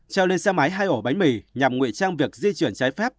treo lên xe máy hai ổ bánh mì nhằm ngụy trang việc di chuyển trái phép